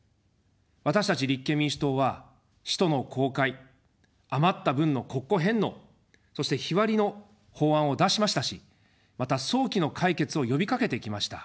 私たち立憲民主党は使途の公開、余った分の国庫返納、そして日割りの法案を出しましたし、また早期の解決を呼びかけてきました。